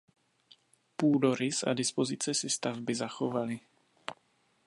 Půdorys a dispozice si stavby zachovaly.